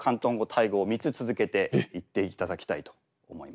タイ語を３つ続けて言っていただきたいと思います。